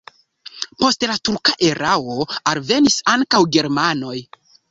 Post la turka erao alvenis ankaŭ germanoj.